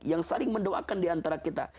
yang saling mendoakan diantara kita